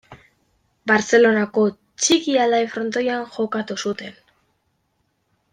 Bartzelonako Txiki-Alai frontoian jokatu zuen.